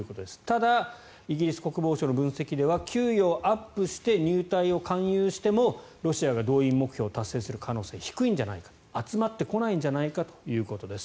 ただ、イギリス国防省の分析では給与をアップして入隊を勧誘してもロシアが動員目標を達成する可能性は低いんじゃないか集まってこないんじゃないかということです。